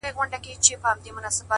چي زه تورنه ته تورن سې گرانه !